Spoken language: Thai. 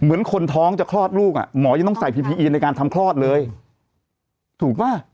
เหมือนคนท้องจะคลอดลูกอ่ะหมอยังต้องใส่พีพีอีในการทำคลอดเลยถูกป่ะ